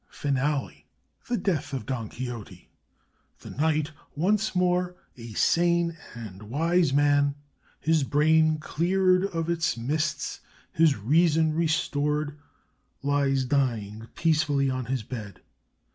FINALE THE DEATH OF DON QUIXOTE The knight, once more a sane and wise man, his brain cleared of its mists, his reason restored, lies dying peacefully in his bed.